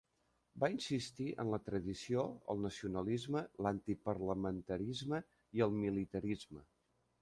Va insistir en la tradició, el nacionalisme, l'antiparlamentarisme i el militarisme.